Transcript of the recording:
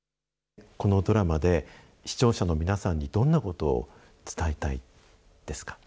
このドラマで、視聴者の皆さんにどんなことを伝えたいですか。